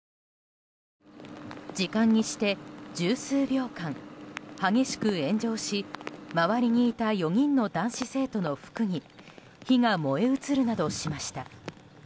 時間にして十数秒間激しく炎上し周りにいた４人の男子生徒の服に火が燃え移るなどしました。